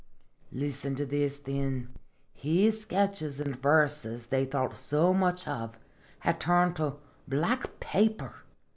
Listen to this, thin: His sketches an' verses they thought so much of had turned to black paper!